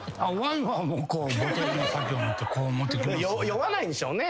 酔わないんでしょうね